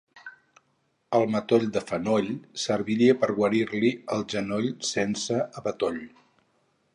El matoll de fonoll serviria per guarir-li el genoll sense abatoll.